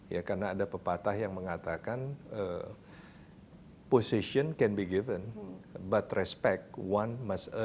ya karena ada pepatah yang mengatakan position can big given but respect one mus